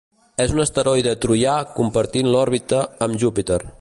És un asteroide troià, compartint l'òrbita amb Júpiter.